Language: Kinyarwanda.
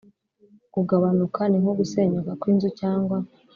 kagabanuka ni nko gusenyuka kw inzu cyangwa